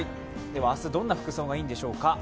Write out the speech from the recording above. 明日、どんな服装がいいんでしょうか？